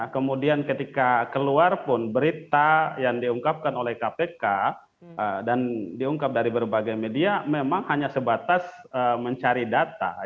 kemudian ketika keluar pun berita yang diungkapkan oleh kpk dan diungkap dari berbagai media memang hanya sebatas mencari data